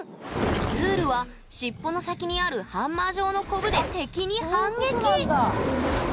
ズールはしっぽの先にあるハンマー状のコブで敵に反撃！